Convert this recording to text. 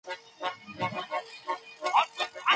د انټرنیټ استفاده د مطالعې لپاره باید سمه وي.